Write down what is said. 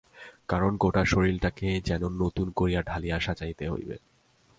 কারণ গোটা শরীরটিকে যেন নূতন করিয়া ঢালিয়া সাজাইতে হইবে।